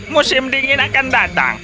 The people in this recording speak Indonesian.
musim dingin akan datang